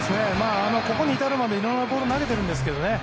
ここに至るまでいろんなボール投げてるんですけどね。